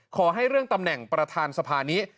ขอให้เรื่องตำแหน่งประธานสภานี้